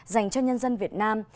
dành cho nhân dân việt nam